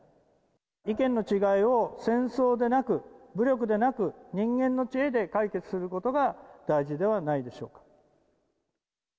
意見の違いを戦争でなく、武力でなく、人間の知恵で解決することが大事ではないでしょうか。